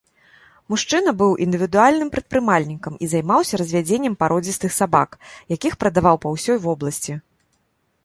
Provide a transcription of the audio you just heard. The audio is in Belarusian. Мужчына быў індывідуальным прадпрымальнікам і займаўся развядзеннем пародзістых сабак, якіх прадаваў па ўсёй вобласці.